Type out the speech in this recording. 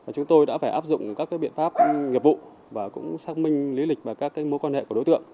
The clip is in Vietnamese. chúng tôi đã phải áp dụng các biện pháp nghiệp vụ và cũng xác minh lý lịch và các mối quan hệ của đối tượng